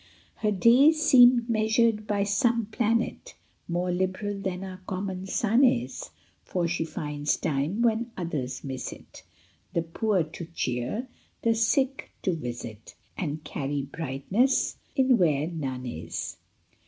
Her days seem measured by some planet More liberal than our common sun is ; For she finds time when others miss it The poor to cheer, the sick to visit, And carry brightness in where none is.